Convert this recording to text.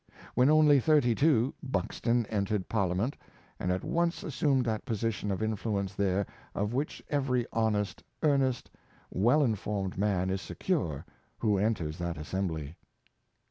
When only thirty two Buxton entered Parliament, and at once assumed that position of influ ence there of which every honest, earnest, well informed man is secure, who enters that assembly.